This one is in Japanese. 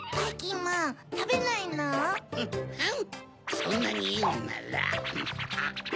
そんなにいうなら。